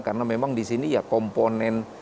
karena memang di sini komponen